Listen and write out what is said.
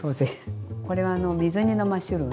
これはあの水煮のマッシュルーム。